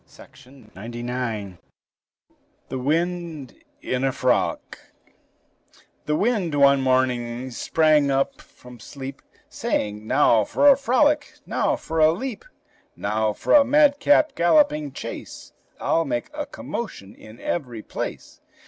REGINALD HEBER THE WIND IN A FROLIC The wind one morning sprang up from sleep, Saying, "Now for a frolic! now for a leap! Now for a madcap galloping chase! I'll make a commotion in every place!"